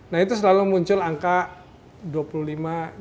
nah itu selalu muncul angka dua puluh lima juta